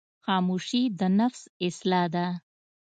خاموشي، د نفس اصلاح ده.